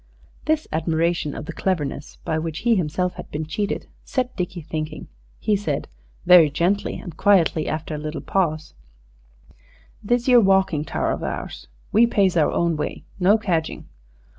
This admiration of the cleverness by which he himself had been cheated set Dickie thinking. He said, very gently and quietly, after a little pause "This 'ere walking tower of ours. We pays our own way? No cadging?"